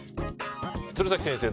鶴崎先生